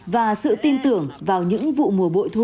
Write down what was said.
và sự tin tưởng vào những vụ mùa bội thu